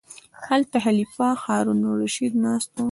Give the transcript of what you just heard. هلته خلیفه هارون الرشید ناست و.